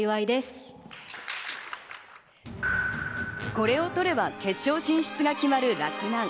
これを取れば決勝進出が決まる洛南。